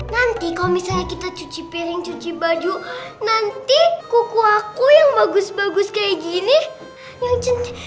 nanti kalau misalnya kita cuci piring cuci baju nanti kuku aku yang bagus bagus kayak gini nyajen